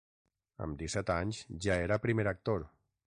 Amb disset anys ja era primer actor.